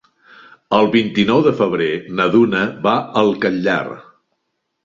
El vint-i-nou de febrer na Duna va al Catllar.